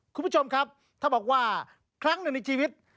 คุณผู้ชมครับถ้าบอกว่าครั้งหนึ่งในชีวิต